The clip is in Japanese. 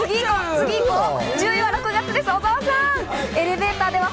次行こう、１０位は６月です、小澤さん。